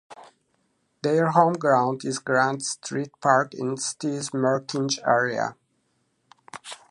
Their home ground is Grant Street Park in the city's Merkinch area.